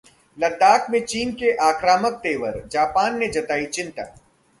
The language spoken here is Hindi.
लद्दाख में चीन के आक्रामक तेवर, जापान ने जताई चिंता